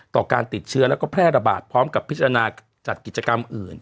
การติดเชื้อแล้วก็แพร่ระบาดพร้อมกับพิจารณาจัดกิจกรรมอื่น